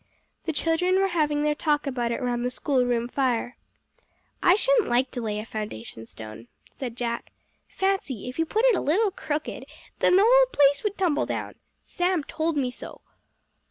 The children were having their talk about it round the school room fire. "I shouldn't like to lay a foundation stone," said Jack. "Fancy, if you put it a little crooked, then the whole place would tumble down! Sam told me so."